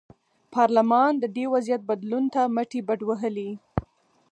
پارلمان د دې وضعیت بدلون ته مټې بډ وهلې.